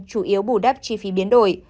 chủ yếu bù đắp chi phí biến đổi